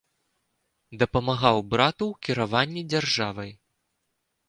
Дапамагаў брату ў кіраванні дзяржавай.